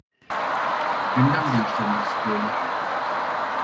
Gündem değiştirmek istiyorlar.